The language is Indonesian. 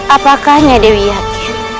apakah nyai dewi yakin